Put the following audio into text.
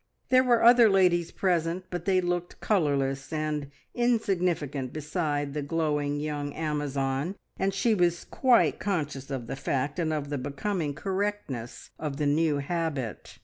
There were other ladies present, but they looked colourless and insignificant beside the glowing young Amazon, and she was quite conscious of the fact, and of the becoming correctness of the new habit.